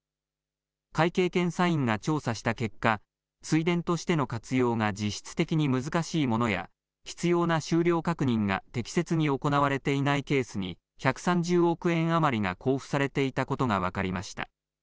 会計検査院が調査した結果、水田としての活用が実質的に難しいものや、必要な収量確認が適切に行われていないケースに、１３０億円余りが交付されていたことが分かりました。